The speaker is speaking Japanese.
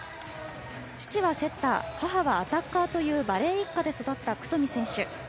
父はセッター母はアタッカーというバレー一家で育った九冨選手。